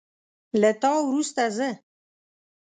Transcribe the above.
له تا وروسته زه